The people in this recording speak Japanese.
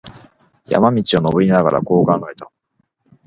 山路を登りながら、こう考えた。